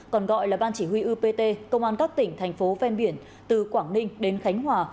còn gọi là ban chỉ huy upt công an các tỉnh thành phố ven biển từ quảng ninh đến khánh hòa